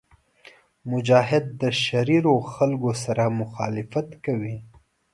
مجاهد د شریرو خلکو سره مخالفت کوي.